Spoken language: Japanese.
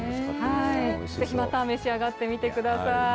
ぜひまた召し上がってみてください。